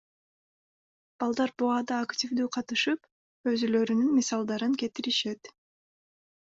Балдар да буга активдүү катышып, өзүлөрүнүн мисалдарын кетиришет.